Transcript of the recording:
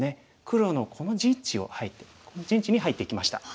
黒のこの陣地をこの陣地に入っていきました。